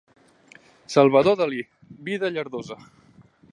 Salvador Dalí, "vida llardosa".